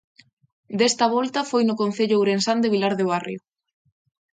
Desta volta foi no concello ourensán de Vilar de Barrio.